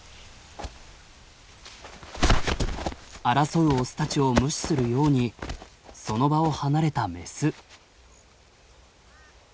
争うオスたちを無視するようにその場を離れたメス。